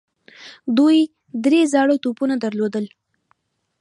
دوی درې زاړه توپونه درلودل.